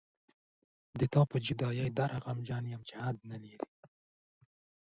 ستا په بېلتون دومره غمجن یمه چې حد نلري